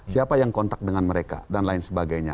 siapa yang kontak dengan mereka dan lain sebagainya